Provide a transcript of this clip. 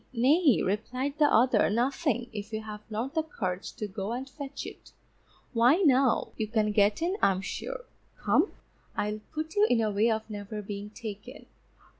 Nay_, replied the other, _nothing, if you have not the courage to go and fetch it; why now, you can get in I'm sure. Come, I'll put you in a way of never being taken.